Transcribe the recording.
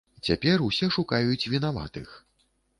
Цяпер усе шукаюць вінаватых.